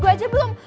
gue aja belum